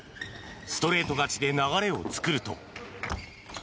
ストレート勝ちで流れを作ると。